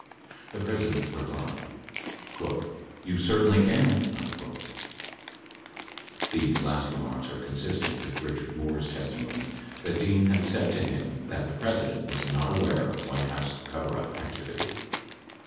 The President replied: "You certainly can !" 60 (These last remarks are consistent with Richard Moore's testimony that Dean had said to him that the President was not aware of White House coverup activity.)